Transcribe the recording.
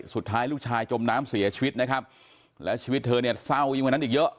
สุดท้ายลูกชายจมน้ำเสียชีวิตนะครับแล้วชีวิตเธอเนี่ยเศร้ายิ่งกว่านั้นอีกเยอะ